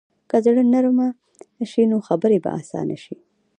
که زړه نرمه شي، نو خبرې به اسانه شي.